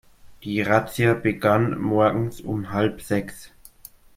Die Razzia begann morgens um halb sechs.